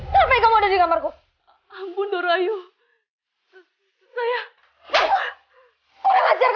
supaya kamu bisa menghindari lejutan cemetisakti itu